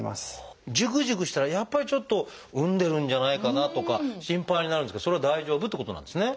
ジュクジュクしたらやっぱりちょっとうんでるんじゃないかなとか心配になるんですけどそれは大丈夫ってことなんですね。